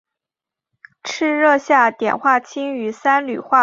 赤热下碘化氢与三氯化硼反应也得到三碘化硼。